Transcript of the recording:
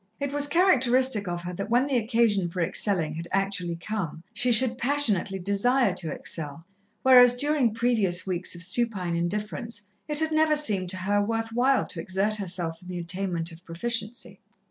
It was characteristic of her that when the occasion for excelling had actually come, she should passionately desire to excel, whereas during previous weeks of supine indifference, it had never seemed to her worth while to exert herself in the attainment of proficiency.